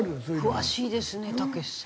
詳しいですねたけしさん。